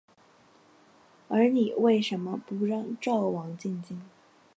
而你为甚么不让赵王进京？